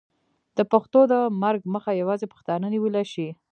د پښتو د مرګ مخه یوازې پښتانه نیولی شي.